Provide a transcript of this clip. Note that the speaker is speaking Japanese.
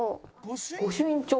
御朱印帳。